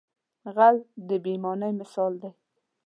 غل د بې ایمانۍ مثال دی